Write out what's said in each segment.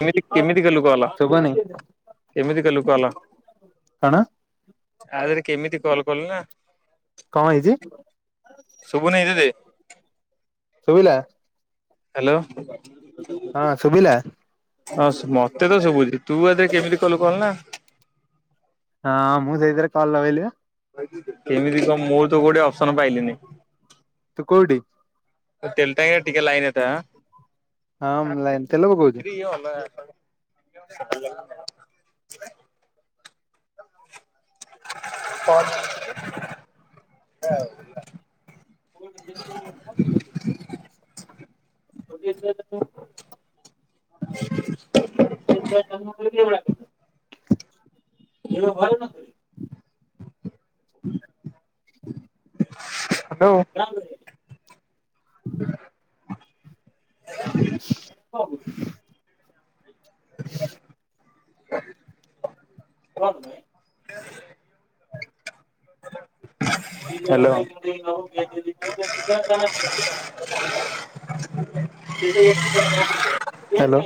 କେମିତି କେମିତି କଲୁ କ ହେଲା, ଶୁଭୁନି କେମିତି କଲୁ କ ହେଲା? କଣ ଆଧେରେ କେମିତି କଲ୍ କଲୁ ନା? କଣ ହେଇଛି? ଶୁଭୁନେଇଁ ତେତେ? ଶୁଭିଲା? ହ୍ୟାଲୋ। ହଁ ଶୁଭିଲା ହଁସ୍ ମତେ ତ ଶୁଭୁଛି, ତୁ ଏଧେରେ କେମିତି କଲୁ କଲ୍ ନା? ହଁ ମୁଁ ସେଇଥେରେ କଲ୍ ଲଗେଇଲି ବା। କେମିତି କଣ ମୋର ତ କୋଉଠି ଅପସନ ପାଇଲିନି? ତୁ କୋଉଠି? ତେଲ ଟାଙ୍କିରେ ଟିକେ ଲାଇନ ଥା ଆଁ। ହଁ ମୁଁ ଲାଇନ୍, ତେଲ ପକଉଛୁ? ଟିକେ ଅଲଗା କଲ? ହ୍ୟାଲୋ। [inaudible] ମୁଁ କହିଲି ସେ ଯୋଉ [unintelligible] [unintelligible] [inaudible] [unintelligible] ଏବେ ଘରେ ନଥିବେ? ହ୍ୟାଲୋ। [unintelligible] ହ [inaudible] ହଉ। [unintelligible] [inaudible] ହ୍ୟାଲୋ। ହ୍ୟାଲୋ।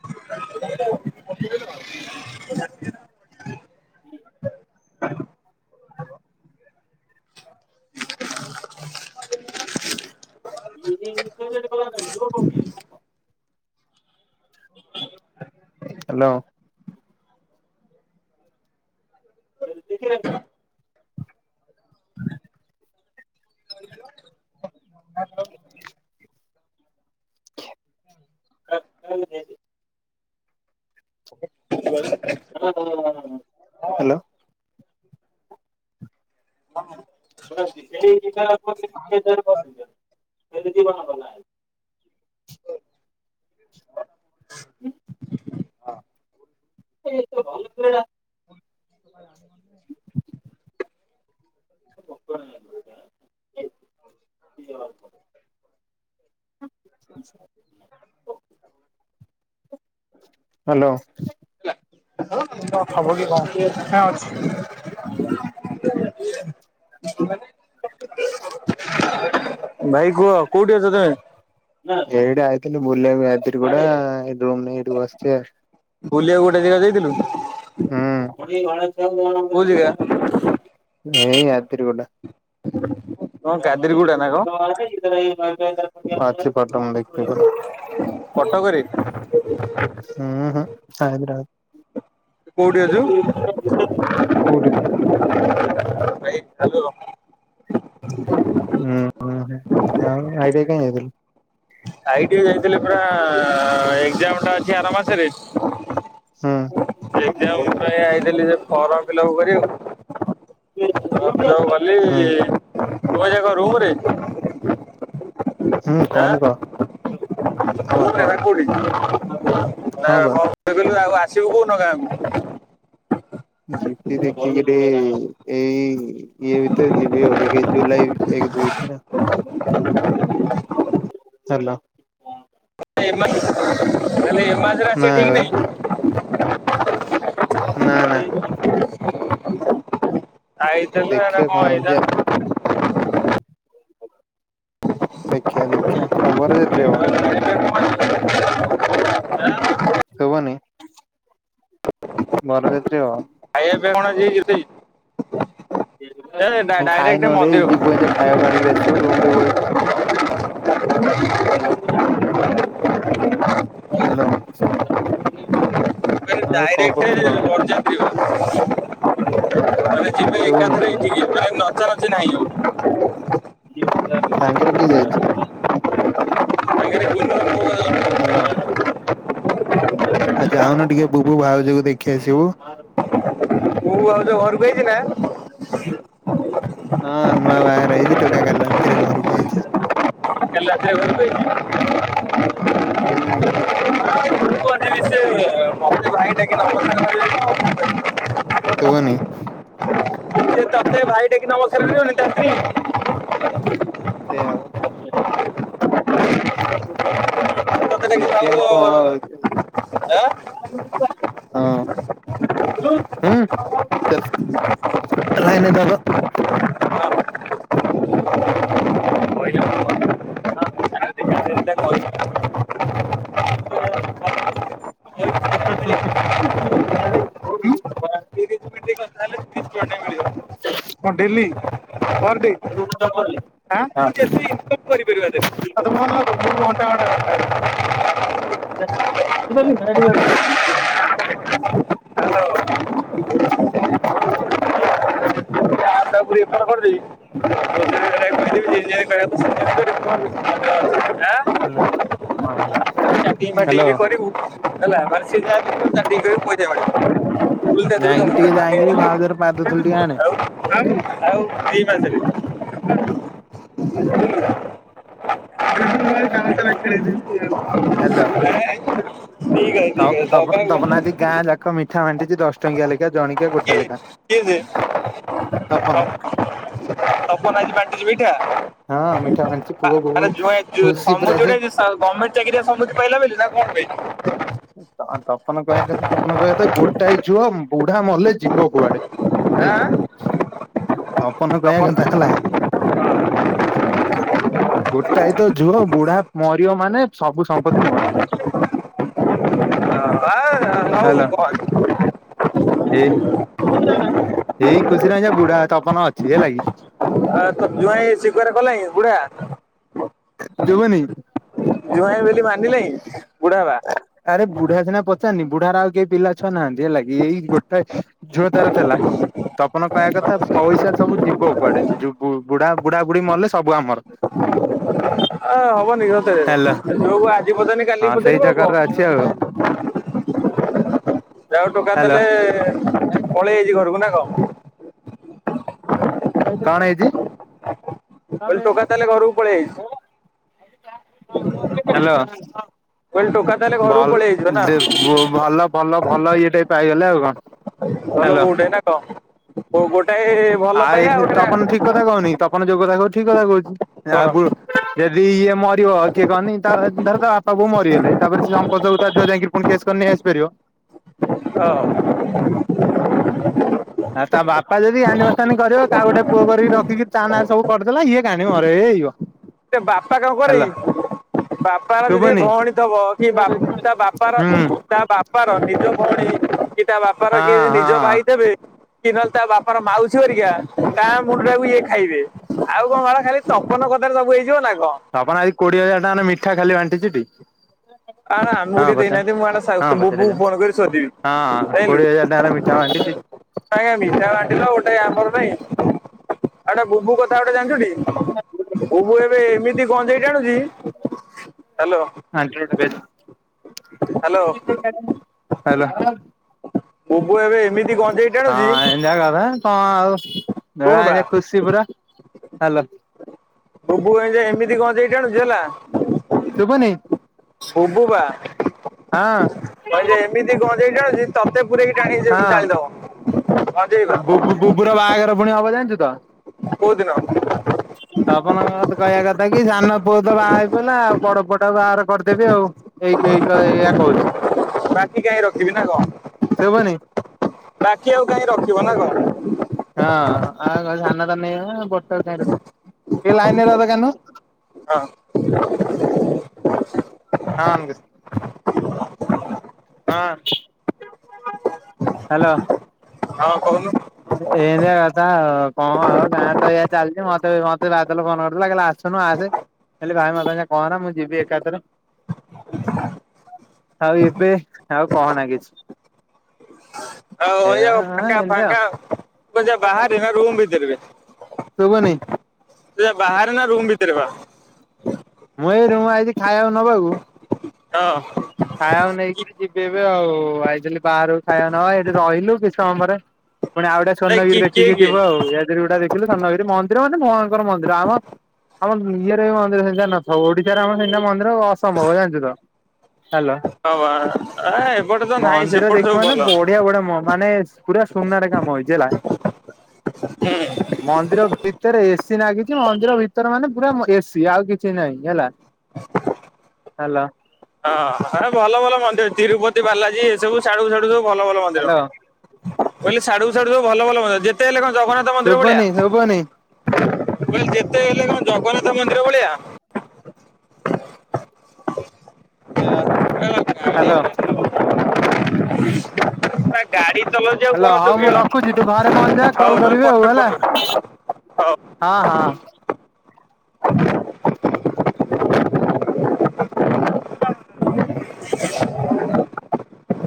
[inaudible] ହୁଁ। ହ [unintelligible] [unintelligible] ହ୍ୟାଲୋ। [unintelligible] ହଁ [inaudible] [inaudible] ମାତରଂ। [unintelligible] ଶୁଗା ଯାଉନି? [unintelligible] ହ୍ୟାଲୋ। ହଁ। [unintelligible] ଉଁ [unintelligible] ହ [inaudible] [inaudible] ହାଲୋ ଖବ କି କଣ ହଁ ଅଛି [inaudible] [inaudible] ଭାଇ କୁହ କୋଉଠି ଅଛ ତମେ? ଏଇଠି ଆଇଥିଲି ବୁଲିବାକୁ ଆଇଥିଲି ପରା। ରୁମ୍ ରେ ଏଇଠି ବସିଚି ଆଉ। ବୁଲିବାକୁ ଗୋଟେ ଜାଗା ଯାଇଥିଲୁ? ହୁଁ କୋଉ ଜାଗା ଏଇ [unintelligible] ହଁ କାଦେରିଗୁଡା ନା କଣ? ଅଛି ଫଟୋ ମୁଁ ଦେଖିଛି ପରା କଟକରେ? ହାଇଦ୍ରାବାଦ। କୋଉଠି ଅଛୁ? କୋଉଠି ତୁ ହୁଁ ଉହୁଁ। ଆଉ ହାଇଦ୍ରାବାଦ କାଇଁ ଯାଇଥିଲୁ? ଆଇଟି ଯାଇଥିଲେ ପରା ଏଜାମ ଟା ଅଛି ଆର ମାସରେ। ହୁଁ ଏକଜାମ ପାଇଁ ଆଇଥିଲି ଫର୍ମ ଫିଲ୍ଅପ କରିବାକୁ। ଫର୍ମ ହୁଁ ଫିଲପ କଲି ହୁଁ ତୁ [inaudible] ରୁମରେ? କହୁନୁ କହ ରୁମରେ ନା ହଁ ବା କହ। କୋଉଠି? [unintelligible] ହଁ ବା ଆସିବୁ କୋଉଦିନ ଗାଁକୁ? ଯିବି ଦେଖିକିରି ଏଇ ଇଏ ଭିତରେ ଯିବି ଆଉ ଦେଖି ଜୁଲାଇ ଏକ ଦୁଇ ଭିତରେ। ହାଲୋ ଏ ମାସ୍ [inaudible] ତାହେଲେ ଏ ମାସରେ ନା ଆସିବା ଠିକ୍ ବା ନାହିଁ। ନା ନା। ଆଇଥିଲେ କଣ ଦେଖିବା କଣ ହଉଛି ଆଉ। ହେଇଥାନ୍ତା। ଦେଖିବା ଦେଖିବା ଏବେ କଣ [inaudible] ଶୁଭୁନି? ବରଯାତ୍ରୀ ହେବ? ଖାଇବା ପିଇବା କଣ ଆଜି ହେଇଛି ଜ୍ୟୋତି ଭାଇ? ଏ ଡା ଡାଇରେକ୍ଟ ଖାଇନୁରେ ଯିବୁ ଏଇନା ଖାଇବାକୁ ଆଣିକି ଆସିବୁ ରୁମ ରେ ମନ୍ଦିରକୁ। ବଇଛୁ ହାଲୋ ହାଲୋ। ଆଉ କଣ ଡାଇରେକ୍ଟ କରୁଛୁ କଣ ବରଯାତ୍ରୀ ବା। ଆମେ ଯିବା ଏକାଥରେ ଶୁଭୁନି? ଏଠିକି, ମାନେ ନଚା ନାଚି ନାହିଁ। ସାଙ୍ଗରେ କିଏ ଯାଇଛି? [unintelligible] ହ୍ୟାଲୋ। ଆ ଯାଉନୁ ଟିକେ ବୁବୁ ଭାଉଜକୁ ଦେଖି ଆସିବୁ। ବୁବୁ ଭାଉଜ ଘରକୁ ଆଇଛି ନା? ହଁ ନୂଆ ବାହାଘର ହେଇଛି। ଟୋକା କାଲି ରାତିରେ ଘରକୁ ଆଇଛି। କାଲି ରାତିରେ ଘରକୁ ଆଇଛି? ହୁଁ। [inaudible] ଶୁଭୁନି! ସେ ତତେ ଭାଇ ଡାକି ନମସ୍କାର [inaudible] ସେଇଆ ବା। ଦେଖିଆ ତତେ ଡାକି ଆଉ କଣ ଆଁ? ହଁ। ଲାଇନ୍ ରେ ଥା ତ? ଏଇଟା କହିଲି। ହଁ ହଁ ହଁ ହଁ ତିରିଶ ମିନିଟ୍ କଥା ହେଲେ ତିରିଶ ଟଙ୍କା ଟେ ମିଳିବ। କଣ ଡେଲି ପର ଡେ ହାଁ? କରିପାରିବା ଯେ ହାଁ ଭଲ [inaudible] ଘଣ୍ଟା ଘଣ୍ଟା ରାସ୍ତାରେ [inaudible] ଯା [inaudible] [inaudible] ଆ ତାକୁ ରେଫର କରିଦେବି। କହିଦେବି [inaudible] [inaudible] ହଁ ସେଇ କରିବ। ଆଁ? ହେଲାନି ହଁ ହେଉ। [inaudible] କରିବୁ ହେଲା ମାନେ ସିଏ ଯାହା କହିବ ଚାଟିଙ୍ଗ କରିବୁ ଯାଇକି ପଇସା ଟିକେ ଯାଇକି ମିଳିବ। [inaudible] [inaudible] ଟିକେ ଆଣେ। [inaudible] ଆଉ ଏଇ ମାସରେ [inaudible] [inaudible] ହ୍ୟାଲୋ। ତପ ତପ ତପନ ଆଜି ଗାଁ ଯାକ ମିଠା ବାଣ୍ଟିଚି ଦଶ ଟଙ୍କିଆ ଲେଖା। ଜଣିକିଆ ଗୋଟେ କିଏ ଲେଖା। କିଏ ସେ ତପନ ତ- ତପନ ଆଜି ବାଣ୍ଟୁଛି ମିଠା? ହଁ ମିଠା ବାଣ୍ଟିଛି। ଆରେ ଜ୍ବାଇଁ ଜୁ ସମୁଦୁର କି ସ- ଗମେଣ୍ଟ ଚାକିରିଆ ସମୁଦୀ ପାଇଲା ବୋଲି ନା କଣ ପାଇଁ? ତ-ତପନ କହିବା କଥା, ତପନ କହିବା କଥା ଗୋଟାଏ ଝୁଅ ବୁଢା ମଲେ ଯିବ କୁଆଡେ। ଆଁ ହେଲା ତପନ କହିବା କଥା ହେଲା ଗୋଟାଏ ତ ଝୁଅ ବୁଢା ମରିବ ମାନେ ସବୁ ସମ୍ପତ୍ତି ମୋର। ଆ, ହେଲୋ। [inaudible] ହେ ଏଇ ଖୁସିରେ ଆଜ୍ଞା ବୁଢା ତପନ ଅଛି ହେଲାକି। ଆ ତ ଜ୍ବାଇଁ ସ୍ବିକାର କଲାଣି ବୁଢା? ଶୁଭୁନି। ଜ୍ବାଇଁ ବୋଲି ମାନିଲାଇଁ ବୁଢା ବା? ଆରେ ବୁଢା ସିନା ପଚାରନି। ବୁଢାର ଆଉ କେହି ପିଲା ଛୁଆ ନାହାନ୍ତି। ହେଲାକି, ଏଇ ଗୋଟାଏ ଝୁଅ ତାର ଥିଲା। ତପନ କହିବା କଥା ପଇସା ସବୁ ଯିବ କୁଆଡେ ଯୋଉ ବୁ-ବୁଢା ବୁଢା ବୁଢୀ ମଲେ ସବୁ ଆମର। ଏ ହବନି ସତରେ ହେଲା ଝୁଅକୁ ଆଜି ପଚାରିନି ହଁ କାଲିକି ସେଇ ପଚାରିବ ଆଉ ଚକରରେ ଅଛି ଆଉ କଣ। ହ୍ୟାଲୋ ଯା ହଉ ଟୋକା ତାହାଲେ ପଳେଇ ଆଇଚି ଘରକୁ ନା କଣ? କଣ ହେଇଛି? କହିଲି ଟୋକା ତାହେଲେ ଘରକୁ ପଳେଇ ଆଇଛି। ହ୍ୟାଲୋ। କହିଲି ଟୋକା ତାହେଲେ ଘରକୁ ଭଲ୍ ପଳେଇ ଆଇଥିବ ନା ଦେ-ବ-ଭଲ ଭଲ ଭଲ ଇଏ ଟେ ପାଇଗଲେ ଆଉ କଣ। ଭଲ ହ୍ୟାଲୋ ବୋଉଟେ ନା କଣ, କୋଉ ଗୋଟାଏ ଆ ଭଲ ପାଇଲା ଆଉ ଗୋଟେ ତପନ ରା ଠିକ କଥା କହୁନି ତପନ ଯୋଉ କଥା କହୁ ଠିକ କଥା କହୁଛି। ଆ, ବୁ କଣ ଯଦି ଇଏ ମରିବ କିଏ କହନି ତା ଧର ତା ବାପା ବୋଉ ମରିଗଲେ। ତାପରେ ସେ ସମ୍ପଦକୁ ତା ଝିଅ ଯାଇକିରି ପୁଣି କେସ୍ କରି ନେଇ ଆସିପାରିବ। ହଁ। ଆଉ ତା ବାପା ଯଦି ଗାଣ୍ଡିମସ୍ତାନୀ କରିବ କାହାକୁ ଗୋଟେ ପୁଅ କରିକି ରଖିକି ତା ନାଁରେ ସବୁ କରିଦେଲା ଇଏ ଗାଣ୍ଡି ମରେଇବ। ତା ବାପା କଣ କରେକି? ବାପାର ଯଦି ଶୁଭୁନି ଭଉଣୀ ଥବ। କି ବା ତା ବାପାର ହୁଁ ତା ବାପାର ନିଜ ଭଉଣୀ କି କି ତା ବାପାର କିଏ ହଁ ଯ ନିଜ ହଁ। ଭାଇ ଥେବେ କି ନହେଲେ ତା ବାପାର ମାଉସୀ ହରିକା ତା ମୁଣ୍ଡଟାକୁ ଇଏ ଖାଇବେ। ଆଉ କଣ ବାଳ ଖାଲି ତପନ କଥାରେ ସବୁ ହେଇ ଯିବ ନା କଣ। ତପନ ଆଜି କୋଡିଏ ହଜାର ଟଙ୍କାର ମିଠା ଖାଲି ବାଣ୍ଟିଚି ଟି। ଆଣ ଆମକୁ ହଁ ଟିକେ ଦେଇନାହାନ୍ତି ପଚାନ ମୁଁ ଆଣେ ହଁ ପଚାରିବ ବୁବୁକୁ ଯାଉନ। ଫୋନ କରି ଶୋଧିବି ହଁ, ହଁ ଯାଇଁଲୁ। କୋଡ଼ିଏ ହଜାର ଟଙ୍କାର ମି ଛଁ ଟିପି ଆଜ୍ଞା ମିଠା ବାଣ୍ଟିଚ ଗୋଟେ ଆମର ନାଇଁ। ଆଉ ଗୋଟେ ବୁବୁ କଥା ଗୋଟେ ଜାଣିଛୁ ଟି। ବୁବୁ ଏବେ ଏମିତି ଗଞେଇ ଟାଣୁଛି। ହାଲୋ। [inaudible] ହାଲୋ। ବୁବୁ ଏବେ ଏମିତି ଗଞ୍ଜେଇ ହଁ ଟାଣୁଛି ଏମିତିଆ କଥା କଣ ଆଉ ଶୁଣୁ ବେଳା ବା ଏଜା ଖୁସି ପୁରା ହାଲୋ। ବୁବୁ ଏମିତି ଗଞ୍ଚେଇ ଟାଣୁଛି ହେଲା। ଶୁଭୁନି ବୁବୁ ବା ହଁ ଏମତି ଗଞେଇ ଟାଣୁଛି ତତେ ପୁରେଇକି ହଁ ଟାଣିକି ଚାଲିଦବ। ଆଉ ବୁବୁ ବୁବୁର ବାହାଘର ପୁଣି ହବ ଜାଣିଛୁ ତ। କଉଦିନ? ତ [unintelligible] କହିବା କଥା କି ସାନ ପୁଅ ତ ବାହା ହେଇ ପଇଲା ଆଉ ବଡ ପୁଅଟା ବାହାର କରି ଦେବି ଆଉ ଏଇ ଏଇ ଏଇତ ଏୟା କହୁଛି। ବାକି କାହିଁ ରଖିବି ନା କଣ ଶୁଭୁନି। ବାକି ଆଉ କାହିଁ ରଖିବ ନା କଣ। ହଁ ଆଉ ସାନ ତ ନେଇଗଲା ଆଉ ବଡ଼ଟା କାଇଁ ରଖିବି। ଟିକେ ଲାଇନ ରେ ରହ କାନୂ ହଁ। ହଁ ବି ହଁ। [inaudible] ହ୍ୟାଲୋ। ହଁ କହୁନୁ। ଏମିତିଆ କଥା ଆଉ କଣ ଆଉ ଗାଁ ତ ଏଇଆ ଚାଲିଛି ମତେ ମତେ ବାଦଲ ଫୋନ କରିଥିଲା କଇଲା ଆସୁନୁ ଆସେ [unintelligible] କହନା ମୁଁ ଯିବି ଏକାଥରେ। ଆଉ ଏବେ ଆଉ କହନା କିିଛି। ଆଉ ଓୟୋ ଫାଙ୍କ ଏମିତି ଆଉ ଫାଙ୍କା ମଜା ବାହାର ରୁମ ଭିତରେ ବେ? ଶୁବୁନି। ସେ ଯେ ବାହାରେ ନା ରୁମ୍ ଭିତରେ ବା? ମୁଁ ଏଇ ରୁମ ଆଇଛି ଖାଇବାକୁ ନବାକୁ। ହଁ। ଖାଇବାକୁ କି- ନେଇକରି ଯିବି ଏବେ ଆଉ ଆଇଲିଥିଲି ବାହାରକୁ ଖାଇବା ନବା ପାଇଁ ଏଠି ରହିଲୁ କିଛି ସମୟ ପରେ। ପୁଣି ଆଉ ଗୋଟେ ଏ ସ୍ୱର୍ଣ୍ଣଗିରି କି- କିଏ ଦେଖିକି କିଏ ଯିବୁ ଆଉ [unintelligible] ରେ ଗୁଟା ଦେଖି ସ୍ୱର୍ଣ୍ଣଗିରି ମନ୍ଦିର ମାନେ ଭୟଙ୍କର ମନ୍ଦିର ଆମ ଆମର ଇଏରେ ମନ୍ଦିର ସେମିତିୟା ନଥିବ ଓଡିଶାରେ ଆମେ ସେମିତିୟା ମନ୍ଦିର ଅସମ୍ଭବ ଜାଣିଛୁ ତ। ହ୍ୟାଲୋ। ହବା। ଆ ଏବଟେ ମନ୍ଦିର ଦେଖିବ ମାନେ ବଢିଆ ବଢିଆ ମାନେ ପୁରା ସୁନାର କାମ ହେଇଛି ହେଲା। ହୁଁ। ମନ୍ଦିର ଭିତରେ ଏ ସି ନାଗିଛି ମନ୍ଦିର ଭିତରେ ମାନେ ପୁରା ଏ ସି ଆଉ କିଛି ନାହିଁ ହେଲା। ହ୍ୟାଲୋ। ହଁ ଭଲ ଭଲ ମନ୍ଦିର ତିରୁପତି ବାଲାଜୀ ଏସବୁ ସିଆଡକୁ ସିଆଡକୁ ସବୁ ଭଲ ଭଲ ମନ୍ଦିର। ହ୍ୟାଲୋ କହିଲି ସିଆଡୁକୁ ସିଆଡୁକୁ ସବୁ ଭଲ ଭଲ ମନ୍ଦିର ଯେତେ ହେଲେ କଣ ଜଗନ୍ନାଥ ମନ୍ଦିର ଭଳିଆ ଶୁଭୁନି ଶୁଭୁନି [unintelligible] ଯେତେ ହେଲେ କଣ ଜଗନ୍ନାଥ ମନ୍ଦିର ଭଳିଆ। ହ୍ୟାଲୋ। [unintelligible] ଗାଡି ଚଲଉଛି। ଆଉ ହେଲୋ କଣ ହଉ ମୁଁ ଶୁଭିବ ରଖୁଛି ତୁ ଘରେ ପହଞ୍ଚିଲେ ହଉ କଲ ନହେଲେ କରିବି ପରେ ଆଉ ଫୋନ ହେଲା। କରୁଛି ହଉ। ହଁ ହଁ।